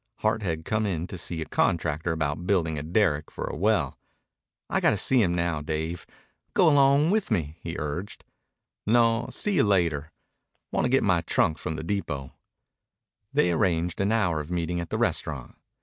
Hart had come in to see a contractor about building a derrick for a well. "I got to see him now, Dave. Go along with me," he urged. "No, see you later. Want to get my trunk from the depot." They arranged an hour of meeting at the restaurant.